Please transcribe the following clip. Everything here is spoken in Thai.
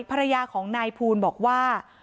ภรรยาของนายภูลบอกว่า